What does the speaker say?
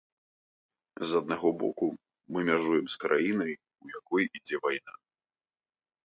З аднаго боку, мы мяжуем з краінай, у якой ідзе вайна.